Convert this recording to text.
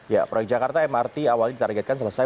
ya proyek jakarta mrt awalnya ditargetkan selesai